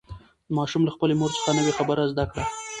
ماشوم له خپلې مور څخه نوې خبره زده کړه